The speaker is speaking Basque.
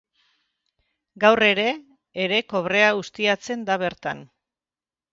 Gaur ere ere kobrea ustiatzen da bertan.